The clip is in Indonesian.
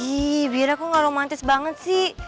ih bira kok gak romantis banget sih